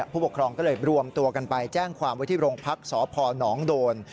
ผู้ปกครองก็เลยรวมตัวกันไปแจ้งความไว้ที่โรงพักษพนโดน